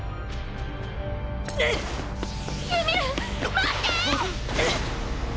待って！！